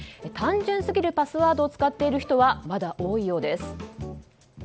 単純すぎるパスワードを使っている人はまだ多いようです。